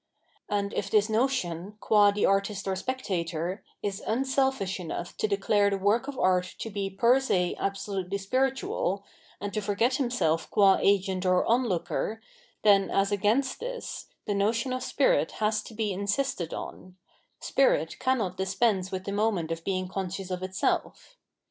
And if tMs notion, qm the artist or spectator, is unseh&sh enough to declare the work of art to be per se absolutely spiritual, and to forget himself qm agent or onlooker, then, as against tMs, the notion of spirit has to be insisted on ; spirit cannot dispense with the moment of being conscious of itself.